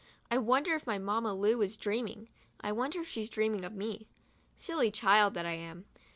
I wonder if Mamma Lu is dreaming. I wonder if she's dreaming of me. Silly child that I am.